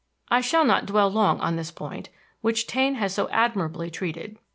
I shall not dwell long on this point, which Taine has so admirably treated.